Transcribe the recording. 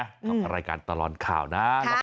กับรายการตลอดข่าวนะ